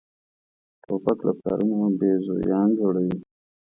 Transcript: توپک له پلارونو بېزویان جوړوي.